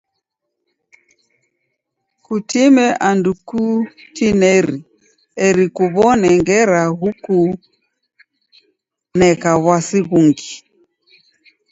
Kutime andu kutineri eri kuw'one ngera ghukuneka w'asi ghungi.